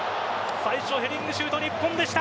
最初ヘディングシュート日本でした。